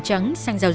chị nghe đây